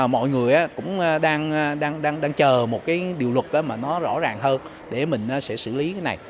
mọi người cũng đang chờ một cái điều luật mà nó rõ ràng hơn để mình sẽ xử lý cái này